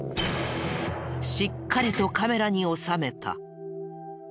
しっかりとカメラに収めた。